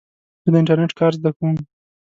زه د انټرنېټ کار زده کوم.